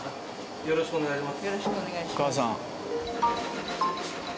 よろしくお願いします。